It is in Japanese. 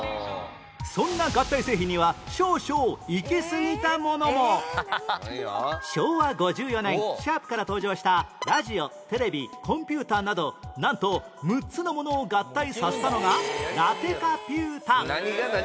そんな合体製品には少々昭和５４年シャープから登場したラジオテレビコンピューターなどなんと６つのものを合体させたのがラテカピュータ